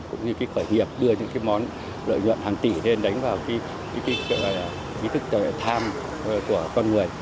cũng như cái khởi hiệp đưa những cái món lợi nhuận hàng tỷ lên đánh vào ý thức tham của con người